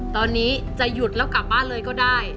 ตอนนี้จะหยุดแล้วกลับบ้านเลยก็ได้